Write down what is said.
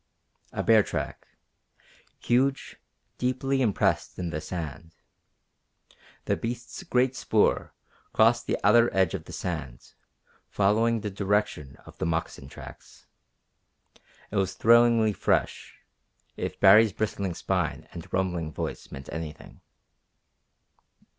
A bear track, huge, deeply impressed in the sand. The beast's great spoor crossed the outer edge of the sand, following the direction of the moccasin tracks. It was thrillingly fresh, if Baree's bristling spine and rumbling voice meant anything.